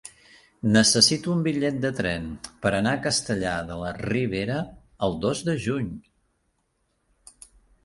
Necessito un bitllet de tren per anar a Castellar de la Ribera el dos de juny.